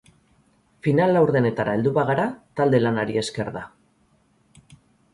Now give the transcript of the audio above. Final laurdenetara heldu bagara talde-lanari esker da.